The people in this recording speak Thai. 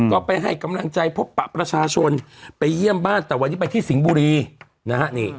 ก็ไปให้กำลังใจพบปะประชาชนไปเยี่ยมบ้านแต่วันนี้ไปที่สิงห์บุรีนะฮะนี่